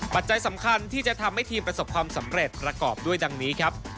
ปัจจัยสำคัญที่จะทำให้ทีมประสบความสำเร็จประกอบด้วยดังนี้ครับ